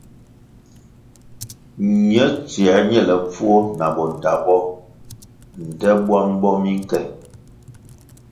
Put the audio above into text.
Ñe tsiē ñelepfuo na bo ndta bo, nte bwang bo minke.